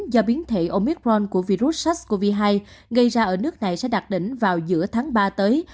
do biến thể omicron của virus sars cov hai gây ra ở nước này sẽ đạt đỉnh vào giữa tháng ba tới